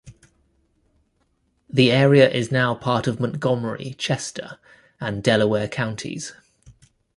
The area is now part of Montgomery, Chester, and Delaware counties.